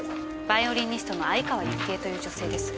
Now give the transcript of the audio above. バイオリニストの相川雪江という女性です。